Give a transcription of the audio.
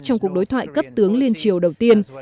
trong cuộc đối thoại cấp tướng liên triều đầu tiên